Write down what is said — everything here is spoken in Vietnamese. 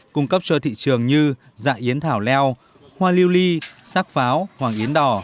cung cấp cho thị trường như dạ yến thảo leo hoa lưu ly sắc pháo hoàng yến đỏ